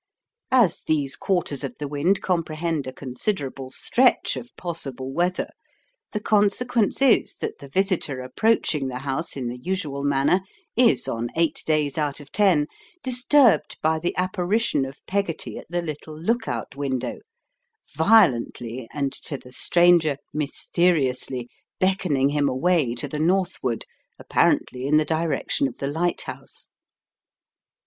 As these quarters of the wind comprehend a considerable stretch of possible weather, the consequence is that the visitor approaching the house in the usual manner is on eight days out of ten disturbed by the apparition of Peggotty at the little look out window, violently, and to the stranger, mysteriously, beckoning him away to the northward, apparently in the direction of the lighthouse.